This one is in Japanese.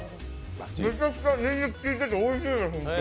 めちゃくちゃにんにくきいてておいしいです。